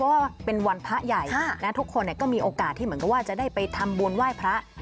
ว่าเป็นวันพระใหญ่ทุกคนก็มีโอกาสที่เหมือนกับว่าจะได้ไปทำบุญไหว้พระ